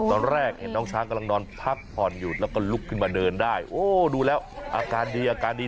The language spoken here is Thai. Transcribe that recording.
ตอนแรกเห็นน้องช้างกำลังนอนพักผ่อนอยู่แล้วก็ลุกขึ้นมาเดินได้โอ้ดูแล้วอาการดีอาการดี